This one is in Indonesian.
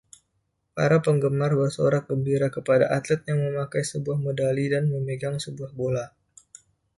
Para penggemar bersorak gembira kpd atlet yang memakai sebuah medali dan memegang sebuah bola.